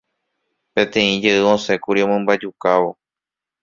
Peteĩ jey osẽkuri omymbajukávo.